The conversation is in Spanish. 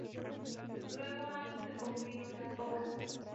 Luego han interrumpido las obras.